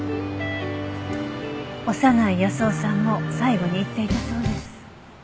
長内保男さんも最後に言っていたそうです。